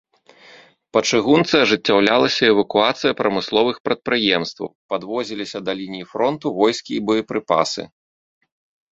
Па чыгунцы ажыццяўлялася эвакуацыя прамысловых прадпрыемстваў, падвозіліся да лініі фронту войскі і боепрыпасы.